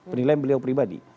penilaian beliau pribadi